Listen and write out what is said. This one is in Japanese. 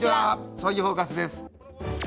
「将棋フォーカス」です。